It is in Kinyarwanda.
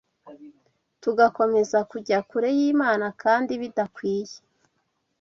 tugakomeza kujya kure y’Imana kandi bidakwiye